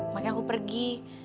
makanya aku pergi